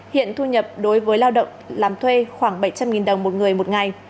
hiện thu nhập đối với lao động làm thuê khoảng bảy trăm linh đồng một người một ngày